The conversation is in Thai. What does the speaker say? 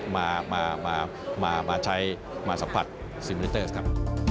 มาใช้มาสัมผัสซิมมิวเตอร์ครับ